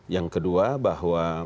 yang kedua bahwa